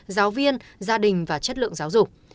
giáo viên gia đình và chất lượng giáo dục